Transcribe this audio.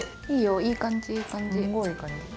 いいよいいかんじいいかんじ。